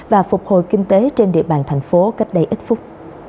và phục hồi kinh tế trên địa bàn tp hcm cách đây ít phút